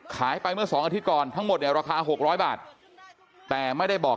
ไปเมื่อ๒อาทิตย์ก่อนทั้งหมดเนี่ยราคา๖๐๐บาทแต่ไม่ได้บอก